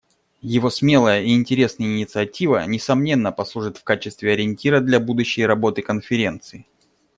Его смелая и интересная инициатива, несомненно, послужит в качестве ориентира для будущей работы Конференции.